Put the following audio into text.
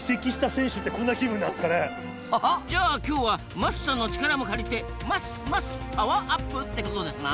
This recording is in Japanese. ハハッじゃあ今日は桝さんの力も借りて「ますます」パワーアップ！ってことですな。